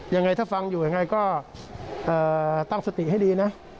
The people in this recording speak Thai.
ยังไงถ้าฟังอยู่ยังไงก็ตั้งสติให้ดีนะ